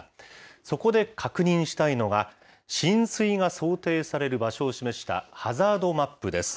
そこで、確認したいのが、浸水が想定される場所を示したハザードマップです。